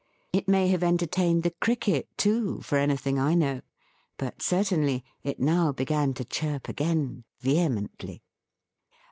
It may have entertained the Cricket too, for anything I know; but, certainly, it now began to chirp again, vehemently.